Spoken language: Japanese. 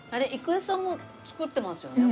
郁恵さんも作ってますよね？